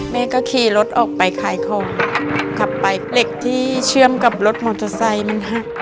แม่ก็ขี่รถออกไปขายของขับไปเหล็กที่เชื่อมกับรถมอเตอร์ไซค์มันหัก